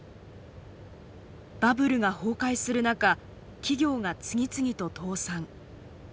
バブルが崩壊する中企業が次々と倒産。